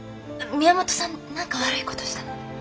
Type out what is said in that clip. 宮本さん何か悪い事したの？